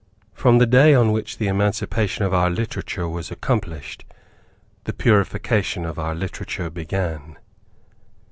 From the day on which the emancipation of our literature was accomplished, the purification of our literature began.